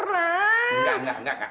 enggak enggak enggak